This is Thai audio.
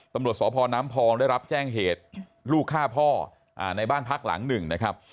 ตำรวจสพน้ำพองได้รับแจ้งเหตุลูกฆ่าพ่อในบ้านพักหลังหนึ่งนะครับ